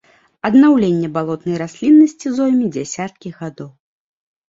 Аднаўленне балотнай расліннасці зойме дзясяткі гадоў.